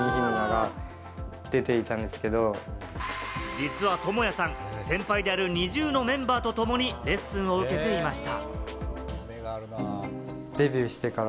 実は朋哉さん、先輩であるＮｉｚｉＵのメンバーとともにレッスンを受けていました。